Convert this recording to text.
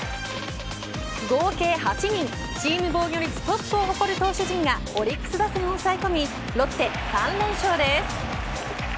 合計８人チーム防御率トップを誇る投手陣がオリックス打線を抑え込みロッテ３連勝です。